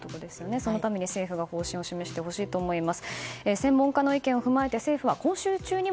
そのために政府が方針を示してほしいと思います。